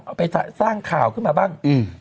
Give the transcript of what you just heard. เอาไปสร้างข่าวขึ้นมาบ้าง